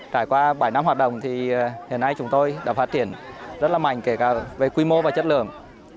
trải qua bảy năm hoạt động thì hiện nay chúng tôi đã phát triển rất là mạnh kể cả về quy mô và chất lượng